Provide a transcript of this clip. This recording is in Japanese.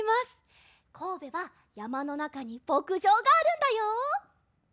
こうべはやまのなかにぼくじょうがあるんだよ！